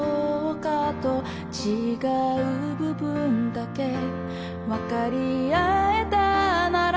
「違う部分だけわかり合えたなら」